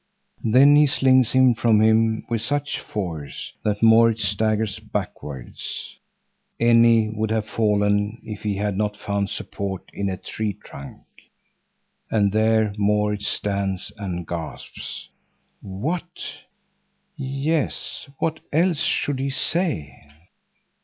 Then he slings him from him with such force that Maurits staggers backwards and would have fallen if he had not found support in a tree trunk. And there Maurits stands and gasps "What?" Yes, what else should he say?